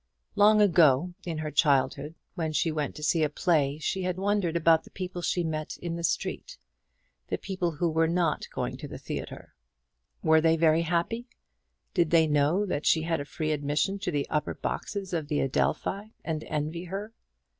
Long ago, in her childhood, when she went to see a play, she had wondered about the people she met in the street; the people who were not going to the theatre. Were they very happy? did they know that she had a free admission to the upper boxes of the Adelphi, and envy her?